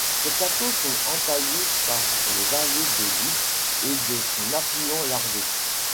Ces plateaux sont entaillés par les vallées de l’Ouche et de son affluent l'Arvo.